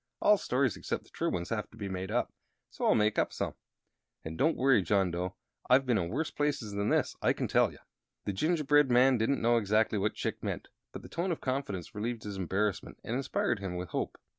"All stories except the true ones have to be made up; so I'll make up some. And don't you worry, John Dough. I've been in worse boxes than this, I can tell you." The gingerbread man didn't know exactly what Chick meant, but the tone of confidence relieved his embarrassment and inspired him with hope.